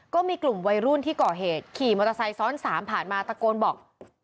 ก็มีกลุ่มวัยรุ่นที่ก่อเหตุขี่มอเตอร์ไซค์ซ้อน๓ผ่านมาตะโกนบอก